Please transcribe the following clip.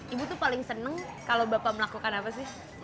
ibu tuh paling seneng kalau bapak melakukan apa sih